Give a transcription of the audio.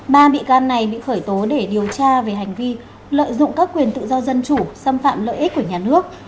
ba bị can này bị khởi tố để điều tra về hành vi lợi dụng các quyền tự do dân chủ xâm phạm lợi ích của nhà nước